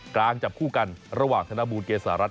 การจับคู่กันระหว่างธนบูลเกษารัฐ